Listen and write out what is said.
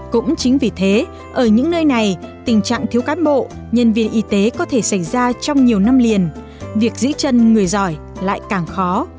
cũng chính vì thế ở những nơi này tình trạng thiếu cán bộ nhân viên y tế có thể xảy ra trong nhiều năm liền việc giữ chân người giỏi lại càng khó